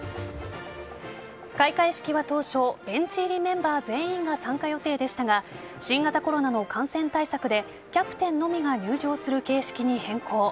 開会式は当初ベンチ入りメンバー全員が参加予定でしたが新型コロナの感染対策でキャプテンのみが入場する形式に変更。